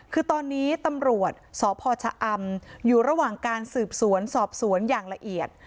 คือตอนนี้ตำรวจสพชะอำอยู่ระหว่างการสืบสวนสอบสวนอย่างละเอียด